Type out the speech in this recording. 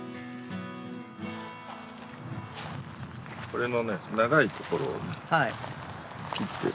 これのね長いところを切って。